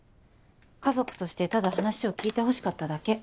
家族としてただ話を聞いてほしかっただけ。